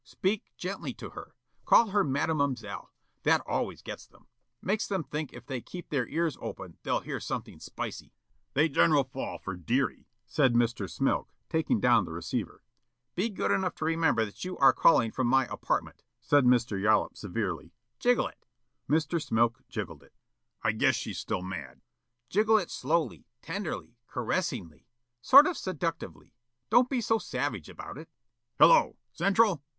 Speak gently to her. Call her Madamoiselle. That always gets them. Makes 'em think if they keep their ears open they'll hear something spicy." "They general fall for dearie," said Mr. Smilk, taking down the receiver. "Be good enough to remember that you are calling from my apartment," said Mr. Yollop severely. "Jiggle it." Mr. Smilk jiggled it. "I guess she's still mad." "Jiggle it slowly, tenderly, caressingly. Sort of seductively. Don't be so savage about it." "Hello! Central?